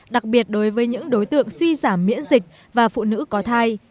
đặc biệt đối với những đối tượng suy giảm miễn dịch và phụ nữ có thai